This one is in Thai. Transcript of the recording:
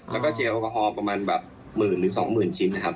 แล้วก็เจลแอลกอฮอล์ประมาณแบบหมื่นหรือ๒๐๐๐ชิ้นนะครับ